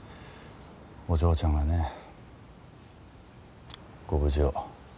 お嬢ちゃんのねご無事を。